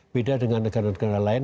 beda dengan negara negara lain